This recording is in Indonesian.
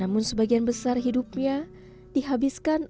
namun sebagian besar hidupnya dihabiskan